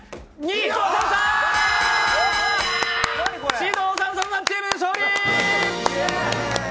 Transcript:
獅童さん・佐野さんチーム勝利。